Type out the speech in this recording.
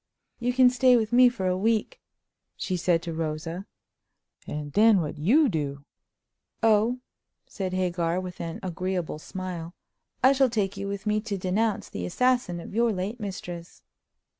"You can stay with me for a week," she said to Rosa. "And den what you do?" "Oh," said Hagar, with an agreeable smile, "I shall take you with me to denounce the assassin of your late mistress."